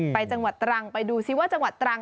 จังหวัดตรังไปดูซิว่าจังหวัดตรัง